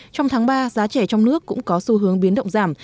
trong tháng ba giá trẻ trong nước cũng có xu hướng biến động giảm